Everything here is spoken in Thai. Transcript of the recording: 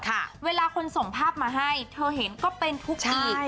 เวลาคนส่งภาพมาให้เธอเห็นก็เป็นทุกปี